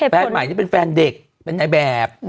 แฟนใหม่นี่เป็นแฟนเด็กเป็นในแบบ